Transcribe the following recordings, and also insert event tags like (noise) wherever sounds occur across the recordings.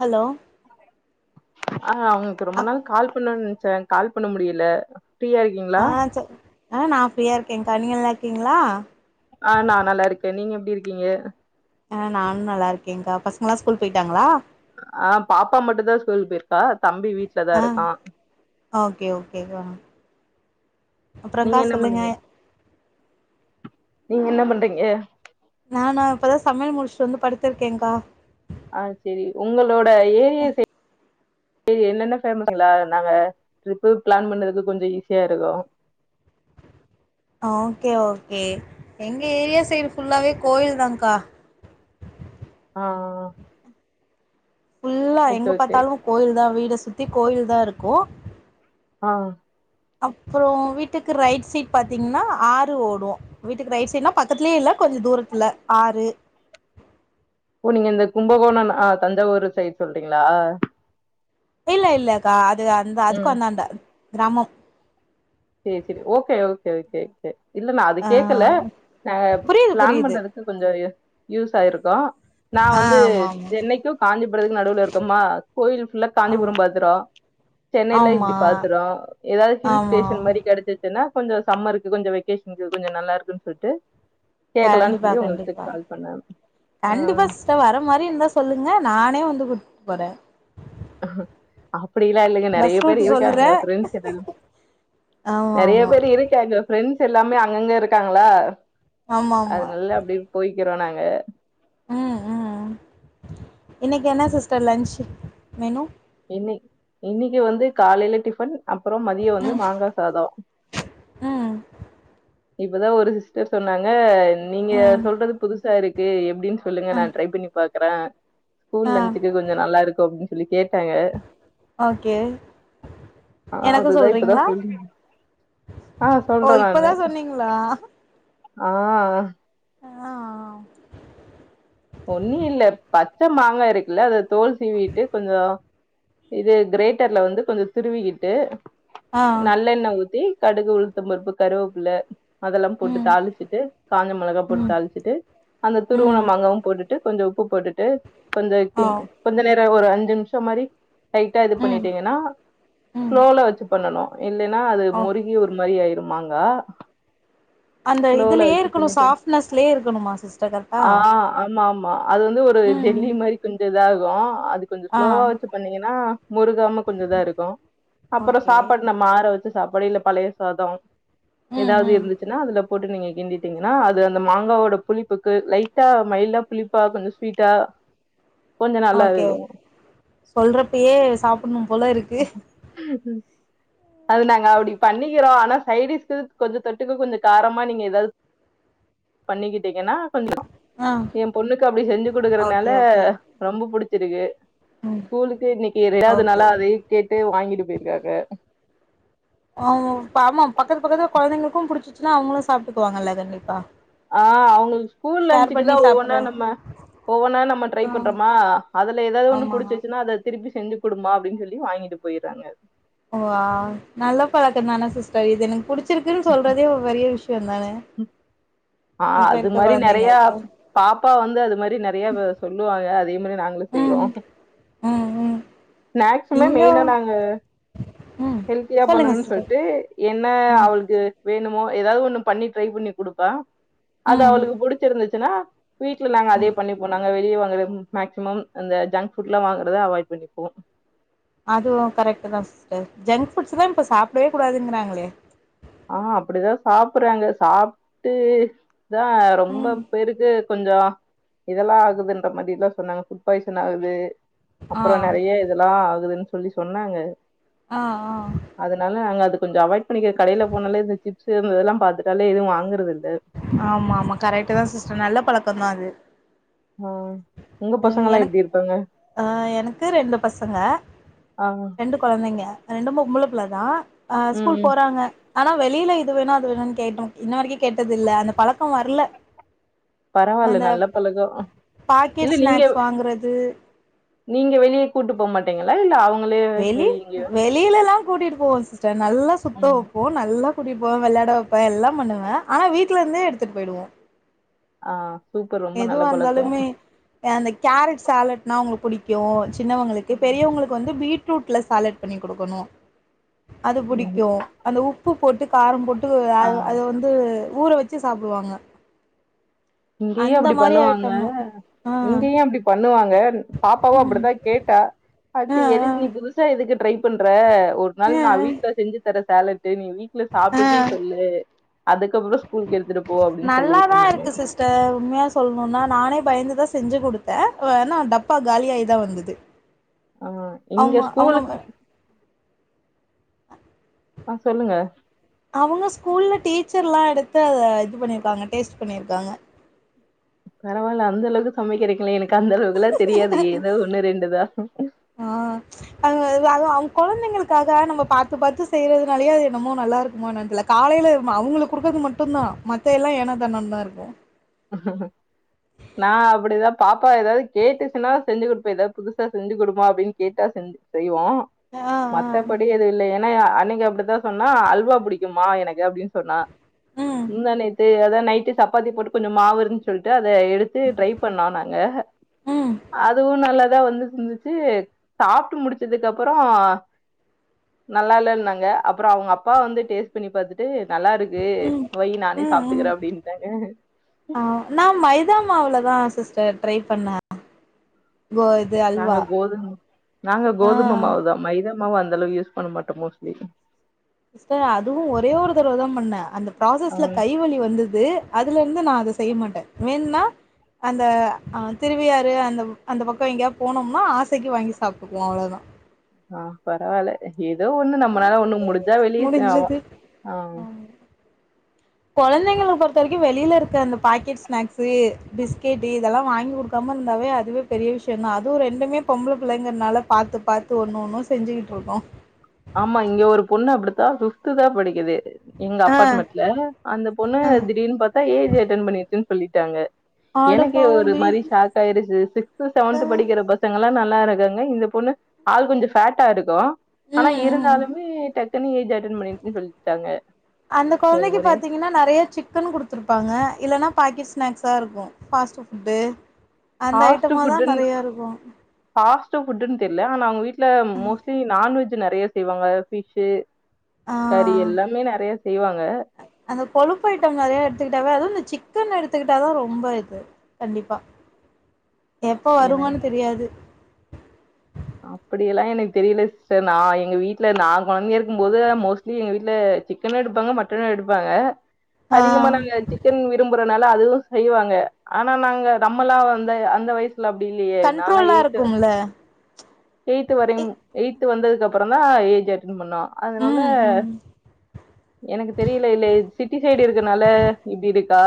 Hello ஆ அவங்கு ரொம்ப அக் நாள் கால் பண்ணுன்ச்ச கால் பண்ண முடியல ஃப்ரீயா இருக்கீங்களா ஆ ச ஆ நா ஃப்ரீயா இருக்கேங்கா நீங்க நல்லாக்கீங்களா ஆ நா நல்லா இருக்கே நீங்க எப்டி இருக்கீங்க ஆ நானு நல்லா இருக்கேங்கா பசங்களா ஸ்கூல் போயிட்டாங்களா ஆ பாப்பா மட்டு தா ஸ்கூல் போயிருக்கா தம்பி வீட்டு்லதா ஆ இருக்கா ஓகே ஓகே கா நீங்க அப்பறங்கா என்ன சொல்லுங்க பண்ணீங்க நீங்க என்ன பண்றீங்க நானா இப்பதா சமையல் முடிஸ்ட்டு வந்து படுத்திருக்கேங்கா ஆ செரி உங்களோட ஏரியா சை செரி என்னென்ன பேமசுங்கள நாங்க ட்ரிப்பு பிளான் பண்ணதுக்கு கொஞ்ச ஈஸியா இருக்கு அ ஓகே ஓகே எங்க ஏரியா சைடு ஃபுல்லாவே கோவில் தாங்கா ஆ ஆ ஃபுல்லா ஓகே எங்க ஓகே பாத்தாலு கோயில் தா வீடு சுத்தி கோயில் தா இருக்கு ஆ அப்றோ வீட்டுக்கு ரைட் சைட் பாத்தீங்கன்னா ஆறு ஓடு வீட்டுக்கு ரைட் சைட்னா பக்கத்துலயே இல்ல கொஞ்ச தூரத்துல ஆறு ஓ நீங்க இந்த கும்பகோணம் ஆ தஞ்சாவூரு சைட் சொல்றீங்களா இல்ல இல்லக்கா அது அந்த அதுக்கு ம் அந்தாண்டா கிராமம் சேர் சேரி ஓகே ஓகே ஓகே கே இல்ல நா அது ஆ கேக்கல நாங்க புரியுது பிளான் புரியுது பண்றதுக் கு கொஞ்ச யூஸ் ஆயிருக்கு நா ஆ வந்து ஆமா ஆமா சென்னைக்கு காஞ்சிபுரத்துக்கு நடுவுல்ல இருக்கோம்மா கோவில் ஃபுல்லா ஆமா காஞ்சிபுரம் பத்துறோ சென்னையில இப்டி ஆமா பாத்துறோ எதாவது ஹில்ஸ் ஆமா ஸ்டேஷ் கெடச்சுன்னா கொஞ்சோ சம்மருக்கு கொஞ்ச வெகேஷனுக்கு கொஞ்ச நல்ல இருக்குன் சொல்ட்டு கேக்கலான் கண்டிப்பா சொல்லி உங்கள்ட கண்டிப்பா கால் பண்ணே ஆ கா வர மாறி இருந்தா சொல்லுங்க நானே வந்து கூட் போறே அப்டில்லா இல்லங்க நெறைய பஸ் பேர் ரூட் சொல்றே இருக்காங்க ஃப்ரெண்ட்ஸ் எல்லாரு ஆமா ஆமா க்காங்க ஃப்ரெண்ட்ஸ் எல்லாமே அங்கங்க இருக்காங்களா ஆமா ஆமா அதுனல்ல அப்டியே போய்க்கிறோ நாங்க ம் ம் ம் இன்னைக்கு என்ன சிஸ்டர் லன்ச் மெனு இன்னிக் இன்னிக்கு வந்து காலையில டிபன் அப்புறம் மதிய வந்து மாங்கா சாதோ அ இப்பதா ஒரு சிஸ்டர் சொன்னாங்க நீங்க ம் சொல்றது புதுசா இருக் கு எப்டின் சொல்லுங்க ஆ நான் ட்ரை பண்ணி பாக்குறே ஆ ஸ்கூல் லஞ்சுக்கு கொஞ்ச நல்லா இருக்கு அப்டின் சொல்லி கேட் டாங்க ஓகே ஆ எனக்கு அதுதா இப்பதா சொல்றீங்களா சொல் ஆ ஓ சொல்றே இப்பதா நானு சொன்னீங்களா ஆ ஆ ஒன்னு இல்ல பச்ச மாங்கா இருக்குல்ல அத தோல் சீவிட்டு கொஞ்சோ இது கிரேட்டர்ல வந்து கொஞ்ச துருவிகிட்டு ஆ நல்லெண்ண ஊத்தி கடுகு உளுத்த பருப்பு கருவப்புள்ள அதல்லாம் போட்டு ம் தாளிச்சிட்டு காஞ்ச மெளகா போட்டு ம் தாளிச்சிட்டு அந்த துருவுன ம் மாங்காவு போட்டுட்டு கொஞ்ச உப்பு போட்டுட்டு கொஞ்ச ஆ கிண் கொஞ்ச நேரோ ஒரு அஞ்சு நிம்ஷ மாறி டைட்டா இது ம் பண்ணிட்டீங்கன்னா ம் ஸ்லோல வச்சு பண்ணனு இல்லென்னா அது ஓகே மொறி நீ ஒரு மாரி ஆயிருமாங்க அந்த இதுலயே இருக்கணு பண்ணிட்டு சாஃப்னஸ்லேயே இருக்கணுமா சிஸ்டர் கரட்டா ஆ ஆமா ஆமா அது வந்து ஒரு ஜெல்லி மாரி கொஞ்ச இதா ஆகு அதுக் கொஞ்சோம் ஆ ஸ்லோவா வச்சு பண்ணீங்கன்னா முருகாம கொஞ்ச இதா இருக்கு அப்புறோ ஓகே சாப்பாடு நம் மாற வச்சு சாப்பாடு இல்ல பழைய சாதோ ம் ஏதாவது ம் இருந்துச்சுன்னா அதுல போட்டு நீங்க கிண்டி ட்டீங்கன்னா அது அந்த மாங்காவோட புளிப்புக்கு லைட்டா மைல்டா புளிப்பா கொஞ்ச ஸ்வீட்டா கொஞ்சோ நல்லா ஓகே இருக்கு சொல்றப்பயே சாப்புட்ணு போல இருக்கு ம் அது நாங்க அப்டி பண்ணிக்கிறோ ஆனா சைடிஸ்க்கு கொஞ்ச தொட்டுக்கு கொஞ்ச காரமா நீங்க ஏதாது பண்ணிக்கிட்டிங்கனா கொஞ்ச ஆ ஏ பொண்ணுக்கு அப்டி செஞ்சு குடுக்கறனால ஓகே ஓகே ரொம்ப புடிச்சிருக்கு ம் ஸ்கூலுக்கு இன்னிக்கு ரெண்டாதுனால ஓகே அதையு கேட்டு வாங்கிட்டு போயிருக்காங்க ஆமோ ஆமா பக்கத்து பக்கத்துல கொழந்தைங்களுக்கு புடிச்சிச்சுனா அவங்களு சாப்ட்டுக்குவாங்கல்ல கண்டிப்பா ஆ அவுங்களுக்கு ஸ்கூல் ஷேர் லன்ச்சுக்கு பண்ணி தா ஒவ்வொன்னா சாப்புட்ற நம்ம ஒவ்வொன்னா நம்ம ட்ரை ஆ பண்றோமா அதுல ஏதாது ஒன்னு ஆமா புடிச்சிச்சுனா அது திருப்பி செஞ்சு கொடுமா அப்டின்னு சொல்லி வாங்கிட்டு போயிறாங்க ஓ ஆ நல்ல பழக்கம் தான சிஸ்டர் இது எனக்கு புடிச்சிருக்குன்னு சொல்றதே ஒரு பெரிய விஷயம் தான ஆ ஆ அது மாரி நெறையா பாப்பா வந்து அது மாரி நெறைய வ சொல்லுவாக அதே மாரி நாங்க களு செய்வோ ம் ம் ம் ஸ்நாக்சுமே இங்க மெயினா நாங்க ம் ஹெல்தியா சொல்லுங்க பண்ணணு சிஸ்டர் சொல்லிட்டு என்ன ம் அவளுக்கு வேணுமோ ஏதாவது ஒண்ணு பண்ணி ட்ரை பண்ணி குடுப்ப அது ம் அவளுக்கு புடிச்சிருந்துச்சுன்னா வீட்ல நாங்க ம் அதேயே பண்ணிப்போ நாங்க வெளியே வாங்கற மேக்சிமம் அந்த ஜங்க் ஃபுட்லா வாங்கிறத அவாய்ட் பண்ணிப்போ அதுவு கரெக்ட்டுதா சிஸ்டர் ஜங்க் ஃபுட்ஸ்தா இப்போ சாப்டவே கூடாதுங்கிறாங்களே ஆ அப்டிதா சாப்றாங்க சாப்ட்டு தா ரொம்ப ம் பேருக் கு கொஞ்ச இதெல்லா ஆகுதுன்ற மாரி எல்லா சொன்னாங்க ஃபுட் பாய்சன் ஆகுது ஆ அப்புறோ நெறைய இதெல்லா ஆகுதுன்னு சொல்லி சொன்னாங்க ஆ ஆ அதுனால நாங்க அது கொஞ்ச அவாய்ட் பண்ணிக்கிற கடையில போனாலே இந்த சிப்ஸு இந்த இதெல்லா பாத்துட்டாலே எதுவு வாங்குறது இல்ல ஆமா ஆமா கரெக்ட்டுதா சிஸ்டர் நல்ல பழக்கம் தா அது ஆ உங்க ம் பசங்கலாம் எனக் எப்டி இருப்பாங்க ஆ எனக்கு ரெண்டு பசங்க ஆ ரெண்டு கொழந்தைங்க ரெண்டு பொம்பள புள்ள தா ஆ ம் ஸ்கூல் ம். போறாங்க ஆனா வெளியில இது வேணு அது வேணுனு கேட்டோ இன்ன வரைக்கு கேட்டது இல்ல அந்த பழக்கம் வர்ல பரவாயில்ல அந்த நல்ல பழக்கோ இல்ல பாக்கெட் நீங்க ஸ்நாக்ஸ் வாங்குறது நீங்க வெளியே கூட்டு போ மாட் டிங்களா இல்ல அவங்களே வெளிய வெளியிலலா கூட்டிட்டு போவோ சிஸ்டர் நல்லா சுத்த ம் வப்போ நல்லா கூட்டிட்டு போவ வெளாட வப்பே எல்லா பண்ணுவ ஆனா வீட்ல இருந்தே எடுத்துட்டு போயிருவோ ஆ சூப்பர் ரொம்ப நல்ல எதுவா பழக்கோ இருந்தாலுமே அந்த கேரட் சேலட்னா அவுங்களுக்கு புடிக்கு சின்னவங்களுக்கு பெரியவங்களுக் கு வந்து பீட்ரூட்ல சேலட் பண்ணி குடுக்கணு அது ம் புடிக்கு அந்த உப் உப்பு போட்டு காரம் போட்டு ஆ அத வந்து ஊற வச்சு சாப்டுவாங்க இங்கயே அந்த அப்டி மாரி பண்ணுவாங்க ஐட்டம்லா ஆ இங்கயு அப்டி பண்ணுவாங்கன் பாப்பாவு ம் அப்பிடிதா கேட்டா ஆ பாட்டி ஆ எதுக் நீ புதுசா எதுக்கு ட்ரை பண்ற ஒரு நாள் ஆ நா வீட்ல செஞ்சு தர செலட்டு நீ வீ ட்ல ஆ சாப்டுட்டு சொல்லு அதுக்கப்றோ ஸ்கூலுக்கு எடுத்துட்டு போ அப்டின் சொல்லிட்டு நானு த உண்மையா சொல்ணுன்னா நானே பயந்துதா செஞ்சு குடுத்தே வனா டப்பா காலியாயிதா வந்துது ஆ இங்க ஸ்கூலுக் அவங்க அ சொல்லுங்க அவுங்க ஸ்கூல்ல டீச்சர்லா எடுத்து அத இது பண்ணியிர்க்காங்க டேஸ்ட் பண்ணீர்க்காங்க பரவால்ல அந்த அளவுக்கு சமைக்குறீக்குளே எனக்கு அந்த அளவுக்குல்லா தெரியாது ஏதோ ஒண்ணு ரெண்டுதா ஆ அது அவங்க கொழந்தைங்களுக்காக நம்ம பாத்து பாத்து செய்யறதுனாலயே அது என்னமோ நல்லாருக்குமோ என்னன் தெல்லக் காலைல ம அவுங்களுக்குக் குடுக்கற்து மட்டுந்தா மத்த எல்லா ஏனோ தாணோன்தா இருக்கூ நா அப்புடிதா பாப்பா எதாதுகேட்டுச்சுன்னா செஞ்சி குடுப்பே ஏதாவ் புதுசா செஞ்சி குடுப்போ அப்டின் கேட்டா செஞ் செய்வோ ஆ ஆ மத்தபடி எது இல்லையே ந அன்னைக்கு அப்பிடித்தா சொன்னா அல்வா புடிக்குமா எனக்கு அப்டின் சொன்னா ம் முந்தாநேத்து அதா நைட்டு சப்பாத்தி போட்டு கொஞ்சொ மாவு இருந்து சொல்ட்டு அத எடுத்து ட்ரை. பண்ணா நாங்க ம் அதுவு நல்லதா வந்துட் ந்து ட்டு சாப்ட்டு முடிச்சுதுக் அப்பறோ நல்லால்லன்னாங்க அப்புற அவுங்க அப்பா வந்து டேஸ் பண்ணி பாத்துட்டு நல்லாருக்கு ம் வை நானே ம் ம் சாப்புட்டுக்கறே அப்டின்ட்டாங்க ஆ நா மைதாமாவுல தா சிஸ்டர் ட்ரை பண்ண கோ இது நாங்க அல்வா. கோதும் நாங்க ஆ கோதும மாவு தா மைதா மாவு அந்த அளவுக் யூஸ் பண்ண மாட்டோ மோஸ்லி சிஸ்டர் அதுவு ஒரே ஒரு தடவ தாம்பண்ணே அந்த ஆ ப்ராசஸ்ல கைவலி வந்துது அதுலர்ந்து நா அத செய்ய மாட்ட வேன்னா அந்த அ திருவியாறு அந்தப அந்தபக்கொ எங்கியாவ் போனோம்னா ஆசைக்கு வாங்கி சாப்ட்டுக்குவோ அவ்வளோதா அ பரவால்ல ஏதோ ஒண்ணு நம்மளால ஒண்ணு முடிஞ்சா வெளிய ஆம்மா முடிஞ்சது ஆ கொழந்தைங்களுக் பொறுத்த வரைக்கு வெளியில இருக்க அந்த பாக்கெட் ஸ்நாக்ஸ்ஸு பிஸ்கெட் இதெல்லா வாங்கிகுடுக் கம்மன்னாவே அதுவே பெரிய விஷ்யன்னா அதூ ரெண்டுமே பொம்பள பிள்ளைங்கனால பாத்து பாத்து ஒண்ணு ஒன்னு செஞ்சுகிட்ருக்கோ ஆம்மா இங்க ஒரு பொண்ணு அப்புடித்தா ஃபித்து தா படிக்குது எங்க அப்பார்ட்மெட்ல அந்த பொண்ணு திடீன்னு பாத்தா ஏஜ் அட்டன் பண்ணிருச்சுன் சொல்லிட்டாங்க எனக்கே ஒரு அடப்பாவமே மாரி ஷாக் ஆயிருச்சு சிக்து செவன்த் படிக்கிற பஸ் பசங்கள்ளா நல்லாருக்காங்க இந்த பொண்ணு ஆள் கொஞ்சொ ஃபேட்டா இருக்கு அனா ம் ம் இருந்தாலுமே டக்குன்னு ஏஜ் அட்டன் பண்ணிட்டுன் சொல்ட்டாங்க அந்த கொழ்ந்தைக்கு பாத்தீங்ன்னா நறைய சிக்கன் குடுத்துருப்பாங்க இல்லன்னா பாக்கெட் ஸ்நாக்ஸ்ஸாருக்கு ஃபாஸ்ட் ஃபுட்டு் அந்த ஐட்டமாதா நறைய இருக்கூ ஃபாஸட் ஃபுட்டுன் தெர்ல ஆனா அவுங்க வீட்டுல மோஸ்ட்டி நான்வெஜ் நறைய செய்வாங்க பிஷ்ஷு ஆ கறி எல்லாமே நெறைய செய்வாங்க அந்த கொழுப்பு ஐட்டம் நறைய எடுத்துக்கிட்டாவே அதுவு இந்த சிக்கன் எடுத்துக்கிட்டாதா ரொம்ப இது கண்டிப்பா எப்போ எனக்கு வருமோன்னு தெரியாது அப்புடிஎல்லா எனக் தெரில சிஸ்டர் நா எங்க வீட்ல நா கொழந்தைய இருக்கும்போது மோஸ் ட்லி எங்க வீட்டுல சிக்கனு எடுப்பாங்க மட்டனு எடுப்பாங்க ஆ அதிகமா நாங்க சிக்கன் விரும்புறனால அதுவு செய்வாங்க ஆனா நாங்க நம்மலா வந்த அந்த வை ல அப்டி இல்லையே நால்லா கண்ட்ரோலா எய்த்து இருக்கும்ல எயி்த்து வரைம் இ எயித்து வந்ததுக்கு அப்பறந்தா ஏஜ் அட்டென் பண்ணோ அதனால ம் ம் எனக்கு தெரில இல்ல சிட்டி சைடு இருக்குனால இப்டி இருக் கா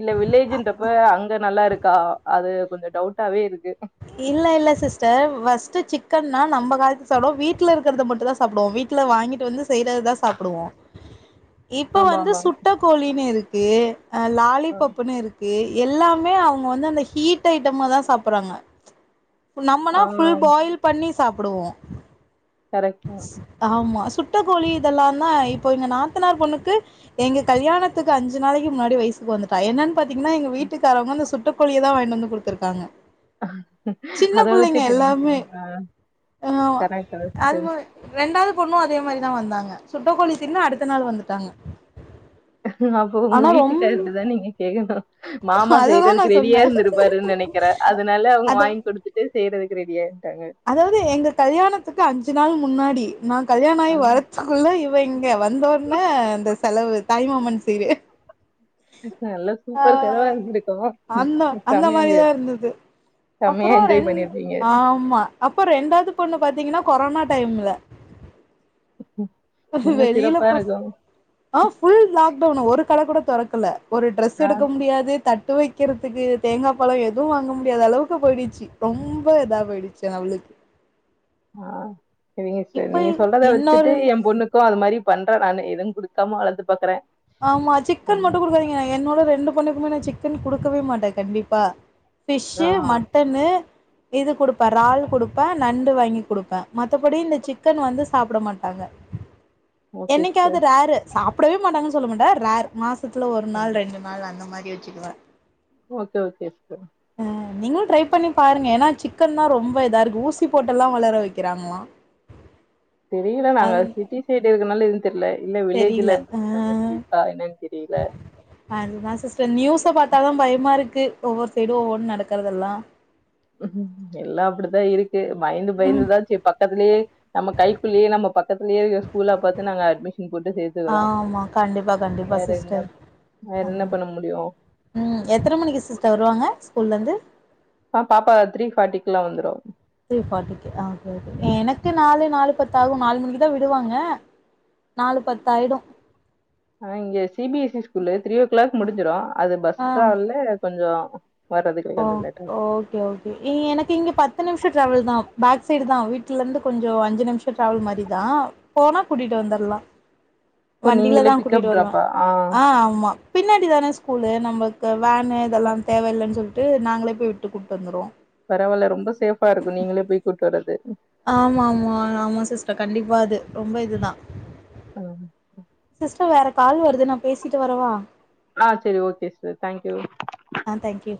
இல்ல வில்லேஜ்ன்றப்ப அங்க நல்லாருக்கா அது கொஞ்சோ டவுட்டாவே இருக்கு இல்ல இல்ல சிஸ்டர் ஃபஸ்ட்டு சிக்கன்னா நம்ம கால்த்து சாப்டுவோ வீட்ல இருக்கறத மட்டு தா சாப்டுவோ வீட்ல வாங்கிட்டு வந்து செய்யறதுதா சாப்டுவோ இப்போ ஆமா வந்து ஆமா சுட்டக்கோழின்னு இருக்கு லாலிபப்புன்னு இருக் கு எல்லாமே அவுங்க வந்து அந்த ஹீட் ஐட்டமா தா சாப்பறாங்க நம்மனா ஆ ஃபுல் பாயில் பண்ணி சாப்டுவோ கரெக்ட் ஆம்மா சுட்டக்கோழி இதெல்லா தா இப்போ எங்க நாத்தனார் பொண்ணுக்கு எங்க கல்யாணத்துக்கு அஞ்சு நாளைக்கு முன்னாடி வயசுக்கு வந்து ட்டா என்னன் பாத்தீங்னா எங்க வீட்டுக்காரவங்க அந்த சுட்ட கோழிய தா வாங்கிட் வந்து குடுத்துருக்காங்க ஆ சின்ன பிள்ளைங்க எல்லாமே ஆ கரெக்ட் அது ரெண்டாவது பொண்ணு அதே மாரிதா வந்தாங்க சுட்டக்கோழி தின்னு அடுத்த நாளு வந்துட்டாங்க அப்போ உங்க ஆனா ரொம் வீட்டுக்கார்கிட்டதா நீங்க கேக்கணு மாமா அததா நா செய்யறதுக்கு ரெடியா சொன்னே இருந்திருப்பாருனு நெனைக்கிறே அதனால அவுங்க அத வாங்கி குடுத்து ட்டு செய்யறதுக்கு ரெடியா இருன்ட்டாங்க அதாவது எங்க கல்யாணத்துக்கு அஞ்சு நாள் முன்னாடி நா கல்யாண ஆ ஆகி வரத் துகுள்ள இவ இங்க வந்தோட்னே ந்த செலவு தாய்மாமன் சீரு நல்லா ஆ சூப்பர் செலவா இருந்திருக்கும். அந்த அந்த செமையா மாரிதா என்ஜாய் இருந்தது செமையா அப்பறோ என்ஜாய் ரெண் பண்ணியிருப்பீங்க. ஆமா அப்போ ரெண்டாவது பொண்ணு பாத்தீங்னா கொரோனா டைம்ல இன்னும் சிறப்பா வெளிலப் போ இருக்கும். ஆ ஃபுல் லாக்டவுனு ஒரு கட கூட தொறக்கல ஒரு ட்ரெஸ் ஆ எடுக்க முடியாது தட்டு வெக்குறதுக்கு தேங்கா பழோ எது வாங்க முடியாத அளவுக்கு போயிடுச்சு ரொம்ப இதா போயிடுச்சு அவளுக் ஆ சரிங்க சிஸ்டர் இப்ப நீங்க சொல்றத வச்சிட்டு இன்னொரு எம்பொண்ணுக் கு அது மாரி பண்ற நானு எது குடுக்காம வளத்து பாக்றே ஆம்மா சிக்கன் மட்டு குடுக்காதீங்க என்னோட ரெண்டு பொண்ணுக்குமே நா சிக்கன் குடுக்கவே மாட்டே கண்டிப்பா ஆ. ஃபிஷ்ஷு மட்டனு இது குடுப்பே றால் குடுப்ப நண்டு வாங்கி குடுப்ப மத்தபடி இந்த சிக்கன் வந்து சாப்ட மாட்டாங்க ஓகே என்னைக்காவது சிஸ்டர். ரேரு சாப்டவே மாட்டாங்கன் சொல்ல மாட்டே ரேர் மாச த்துல ஒரு ஆ. நாள் ரெண்டு நாள் அந்த மாரி வச்சுக்குவே ஓக்கே ஓக்கே சிஸ்டர் ஆ நீங்களு ட்ரை பண்ணி பாருங்க ஏனா சிக்கன்தா இருக்கு ஊசி போட்டல்லா வளர வெக்குறாங்ளா தெரில நாங்க சிட்டி சைட் இருக்கனால எது தெர்ல இல்ல தெரில வில்லேஜ்ல ஆ இருந்த (inaudible) என்னன் தெரில அதுதா சிஸ்டர் நியூஸ பாத்தா தா பயமா இருக்கு ஒவ்வொரு சைடு ஒவ்வொன்னு நடக்கறதெல்லா எல்லா அப்டித்தா இருக்கு பயந்து ம் பயந்துதா செ பக்கத்தலியே நம்ம கைக்குள்ளேயே நம்ம பக்கத்லேயே ஸ்கூல் ஆ பாத்து நாங்க அட்மிஷன் போட்டு சேத் ருக்றோ ஆமா கண்டிப்பா கண்டிப்பா வேற என்ன சிஸ்டர் வேற ஆமா. என்ன பண்ண முடியு ம் எத்தன மணிக்கு சிஸ்டர் வருவாங்க ஸ்கூல்ல இந்து ஆ பாப்பா த்ரீ ஃபார்ட்டிக்லா வந்துரு த்ரே ஃபார்ட்டிக்கு ஆ ஓகே ஓகே எனக் க்கு நாலு நாலு பத்து ஆகு நாலு மணிக்கு தா விடுவாங்க நாலு பத்தாயிடு அ இங்க சி பி எஸ் சி ஸ்கூல்லு த்ரீ ஓ கிளாக் முடிஞ்சிரு அது பஸ் ஆ டிராவல்ல கொஞ்சோ ஒ ஓ ஓகே ஓகே எ எனக்கு இங்க பத்து நிம்ஷோ ட்ராவ்வல்தா பேக் சைட் தா வீட்ல இருந்து கொஞ்சோ அஞ்சு நிம்ஷ டிராவல் மாரி தா போனா கூட்டிட்டு வந்தர்லா ஓ! வண்டியில நீங்களே தா கூட்டிட்டு பிக்கப் வருவ ட்ராப்பா? ஆ ஆமா பின்னாடி தான ஸ்கூலு நம்மளுக்கு வேனு இதெல்லா தேவையில்லன் சொல்ட்டு நாங்களே போய் விட்டு கூட்டு வந்துருவோ பரவால்ல ரொம்ப சேஃபா இருக்கு நீங்களே போய் கூட்டு வர்றது ஆமா ஆமா ஆமா சிஸ்டர் கண்டிப்பா அது ரொம்ப இதுதா அலோ சிஸ்டர் வேற கால் வருது நா பேசிட்டு வரவா ஆ செரி ஓகே சிஸ்டர் தேங்க்யூ ஆ தேங்க் யூ